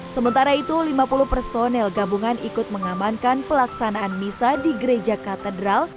sementara itu lima puluh personel gabungan ikut mengamankan pelaksanaan misa di gereja katedral